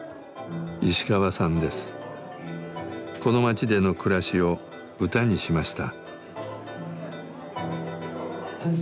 この町での暮らしを歌にしました。